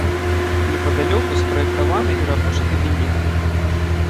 Непадалёку спраектаваны і рабочы кабінет.